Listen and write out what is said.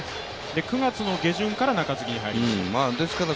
９月の下旬から中継ぎに入りました。